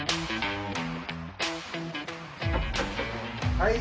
・はい。